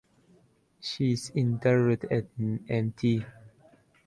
She is interred at Mt.